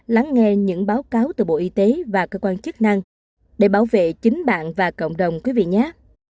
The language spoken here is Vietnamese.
lắng nghe những báo cáo từ bộ y tế và cơ quan chức năng để bảo vệ chính bạn và cộng đồng quý vị nhá